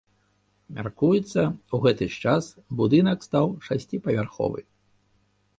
Мяркуецца, у гэты ж час будынак стаў шасціпавярховы.